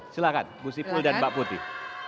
silakan bu sipul dan mbak putih